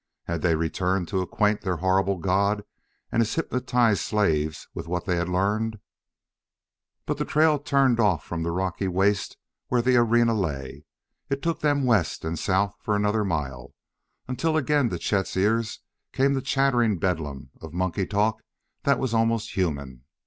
Had they returned to acquaint their horrible god and his hypnotised slaves with what they had learned? But the trail turned off from the rocky waste where the arena lay; it took them west and south for another mile, until again to Chet's ears came the chattering bedlam of monkey talk that was almost human.